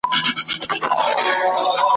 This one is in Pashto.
سوداګر ویل دا څه اپلاتي وایې؟ `